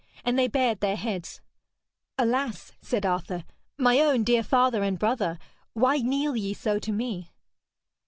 And they bared their heads. 'Alas,' said Arthur, 'my own dear father and brother, why kneel ye so to me?'